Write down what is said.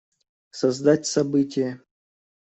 Создать событие.